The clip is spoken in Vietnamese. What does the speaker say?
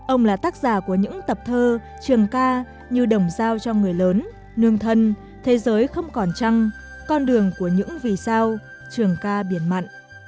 ông là tác giả của những tập thơ trường ca như đồng giao cho người lớn nương thân thế giới không còn trăng con đường của những vì sao trường ca biển mặn